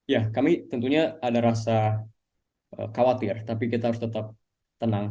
ya kami tentunya ada rasa khawatir tapi kita harus tetap tenang